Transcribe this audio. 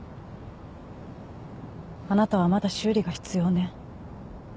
あなたはまだ修理が必要ね。